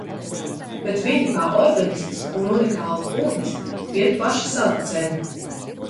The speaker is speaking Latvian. Bet viņi kā organiskas un unikālas būtnes iet paši savu ceļu.